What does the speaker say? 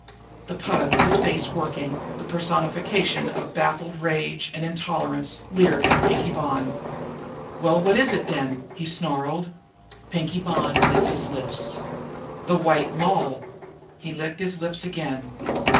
The Pug, his face working, the personification of baffled rage and intolerance, leered at Pinkie Bonn. "Well, who was it, den?" he snarled. Pinkie Bonn licked his lips. "The White Moll!" He licked his lips again.